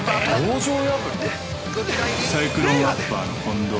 ◆サイクロンアッパーの近藤。